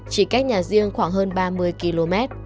chỉ cách nhà riêng khoảng hơn ba mươi km